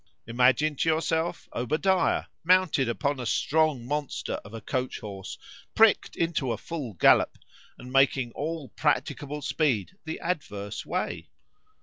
——Imagine to yourself, Obadiah mounted upon a strong monster of a coach horse, pricked into a full gallop, and making all practicable speed the adverse way.